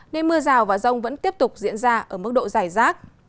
nên mưa rào và rông vẫn tiếp tục diễn ra ở mức độ dài rác